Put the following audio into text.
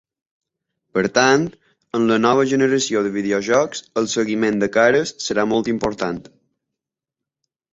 Per tant, en la nova generació de videojocs el seguiment de cares serà molt important.